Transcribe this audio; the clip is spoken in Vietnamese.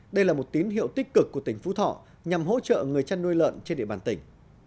đây là một tín hiệu tích cực của tỉnh phú thọ nhằm hỗ trợ người chăn nuôi lợn trên địa bàn tỉnh